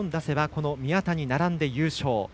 この宮田に並んで優勝。